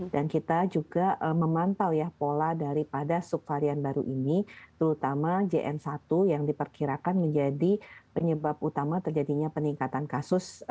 dan kita juga memantau ya pola daripada subvarian baru ini terutama jn satu yang diperkirakan menjadi penyebab utama terjadinya peningkatan kasus